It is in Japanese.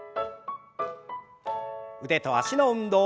腕と脚の運動。